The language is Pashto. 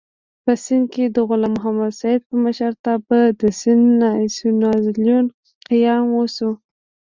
په سېند کې د غلام محمد سید په مشرتابه د سېندي ناسیونالېزم قیام وشو.